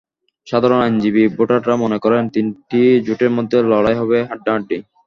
সাধারণ আইনজীবী ভোটাররা মনে করেন, তিনটি জোটের মধ্যেই লড়াই হবে হাড্ডাহাড্ডি।